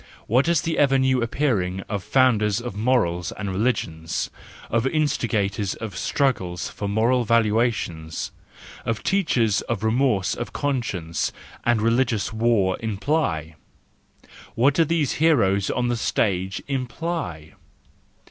What does the ever new appearing of founders of morals and religions, of instigators of struggles for moral valua¬ tions, of teachers of remorse of conscience and religious war, imply? What do these heroes on this stage imply